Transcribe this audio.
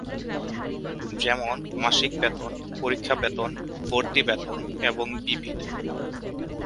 যেমনঃ মাসিক বেতন, পরীক্ষা বেতন, ভর্তি বেতন এবং বিবিধ।